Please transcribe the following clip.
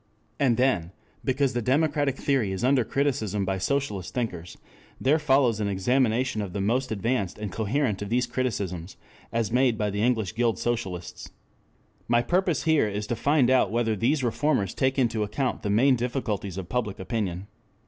And then, because the democratic theory is under criticism by socialist thinkers, there follows an examination of the most advanced and coherent of these criticisms, as made by the English Guild Socialists. My purpose here is to find out whether these reformers take into account the main difficulties of public opinion.